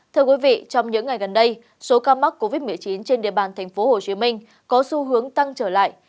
thưa quý vị trong những ngày gần đây số ca mắc covid một mươi chín trên địa bàn tp hcm có xu hướng tăng trở lại